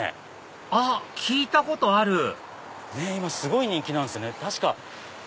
あっ聞いたことある今すごい人気なんですよね。